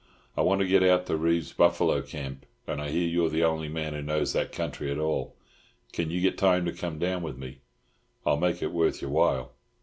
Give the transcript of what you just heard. "I want to get out to Reeves's buffalo camp, and I hear you're the only man who knows that country at all. Can you get time to come down with me? I'll make it worth your while."